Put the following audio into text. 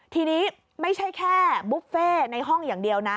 ทีนี้ไม่ใช่แค่บุฟเฟ่ในห้องอย่างเดียวนะ